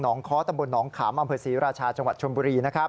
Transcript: หนองคตำบลหนองขามอศรีราชาจังหวัดชมบุรี